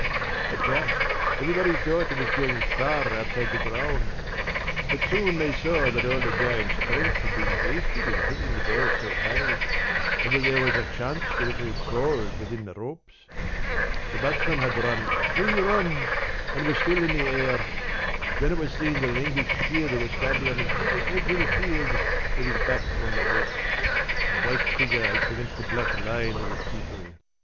p> "At first everybody thought it was going far outside the ground. But soon they saw that all the giant's strength had been wasted in hitting the ball so high, and that there was a chance that it would fall within the ropes. The batsmen had run three runs and it was still in the air. Then it was seen that an English fielder was standing on the very edge of the field with his back on the ropes, a white figure against the black line of the people.